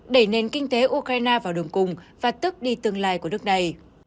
đẩy nền kinh tế ukraine vào đường cùng và tước đi tương lai của nước này